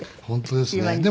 本当ですね。